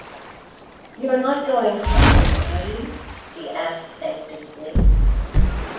“You’re not going home, are you?” she asked anxiously.